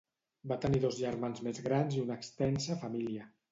Va tenir dos germans més grans i una extensa família.